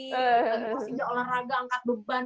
terus dia olahraga angkat beban